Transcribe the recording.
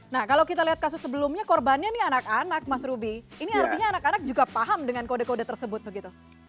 nah kalau kita lihat kasus sebelumnya korbannya ini anak anak mas ruby ini artinya anak anak juga paham dengan kode kode tersebut begitu